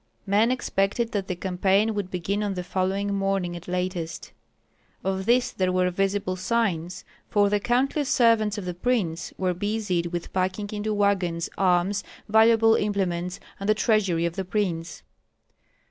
Men expected that the campaign would begin on the following morning at latest; of this there were visible signs, for the countless servants of the prince were busied with packing into wagons arms, valuable implements, and the treasury of the prince.